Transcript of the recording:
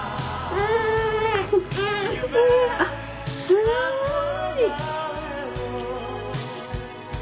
すごーい。